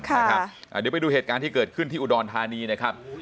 เดี๋ยวไปดูเหตุการณ์ที่เกิดขึ้นที่อุดรธานีนะครับ